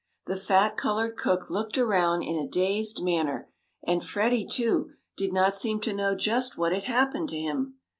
The fat, colored cook looked around in a dazed manner, and Freddie, too, did not seem to know just what had happened to him.